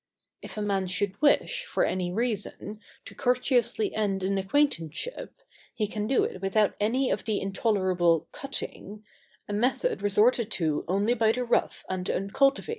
] If a man should wish, for any reason, to courteously end an acquaintanceship, he can do it without any of the intolerable "cutting," a method resorted to only by the rough and uncultivated.